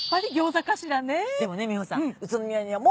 でもね美穂さん。